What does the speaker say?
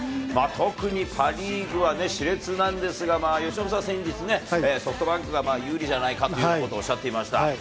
特にパ・リーグはね、しれつなんですが、由伸さん、先日ね、ソフトバンクが有利じゃないかということをおっしゃっていました。